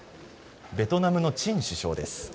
ベトナムのチン首相です。